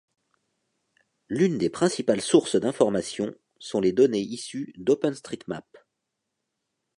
L'une des principales sources d'informations sont les données issues d'OpenStreetMap.